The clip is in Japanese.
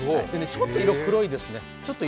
ちょっと色、黒いですね。